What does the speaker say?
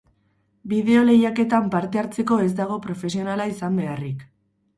Bideo lehiaketan parte hartzeko ez dago profesionala izan beharrik.